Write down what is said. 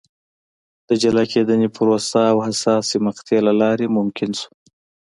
د جلا کېدنې پروسې او حساسې مقطعې له لارې ممکن شو.